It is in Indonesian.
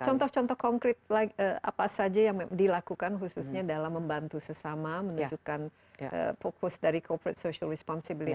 contoh contoh konkret apa saja yang dilakukan khususnya dalam membantu sesama menunjukkan fokus dari corporate social responsibility